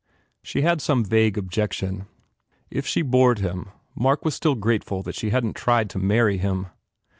She had some vague objection. If she bored him, Mark was still grateful that she hadn t tried to marry him.